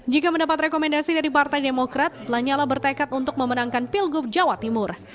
jika mendapat rekomendasi dari partai demokrat lanyala bertekad untuk memenangkan pilgub jawa timur